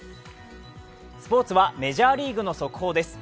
スポーツはメジャーリーグの速報です。